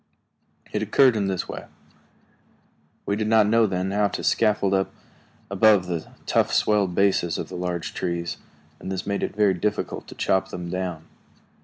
It occurred in this way. We did not then know how to scaffold up above the tough, swelled bases of the large trees, and this made it very difficult to chop them down.